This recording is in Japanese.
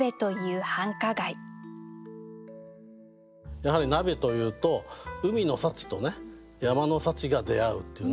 やはり鍋というと海の幸と山の幸が出会うっていうね。